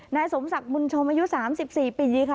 นายสมศักดิ์บุญชมอายุ๓๔ปีค่ะ